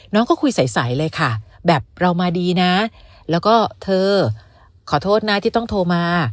น้องก็คุยใสเลยค่ะแบบเรามาดีนะแล้วก็เธอขอโทษนะที่ต้องโทรมา